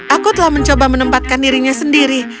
aku telah mencoba menempatkan dirinya sendiri